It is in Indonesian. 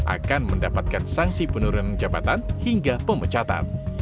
akan mendapatkan sanksi penurunan jabatan hingga pemecatan